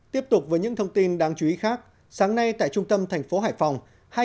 tiếp tục với những thông tin đáng chú ý khác sáng nay tại trung tâm thành phố hải phòng